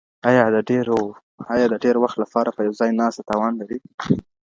ایا د ډېر وخت لپاره په یو ځای ناسته تاوان لري؟